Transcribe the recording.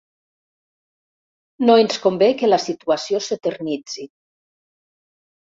No ens convé que la situació s'eternitzi.